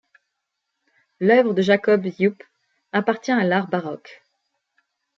L’œuvre de Jacob Cuyp appartient à l’art baroque.